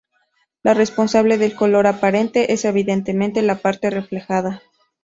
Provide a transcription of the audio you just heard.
La responsable del color aparente es evidentemente la parte reflejada.